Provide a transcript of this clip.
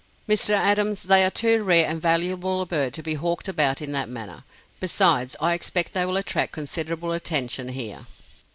"Mr. Adams, they are too rare and valuable a bird to be hawked about in that manner; besides, I expect they will attract considerable attention here."